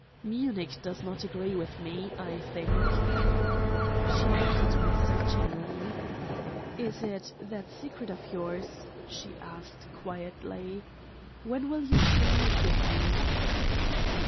"Munich does not agree with me, I think." She looked at me searchingly. "Is it that secret of yours?" she asked quietly. "When will you share it with me?"